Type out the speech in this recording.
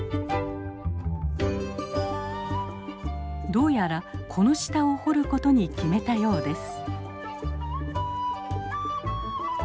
どうやらこの下を掘ることに決めたようです。